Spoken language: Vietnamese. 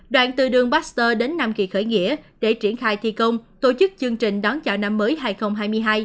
đoạn từ đường baxter đến nam kỳ khởi nghĩa để triển khai thi công tổ chức chương trình đón chào năm mới hai nghìn hai mươi hai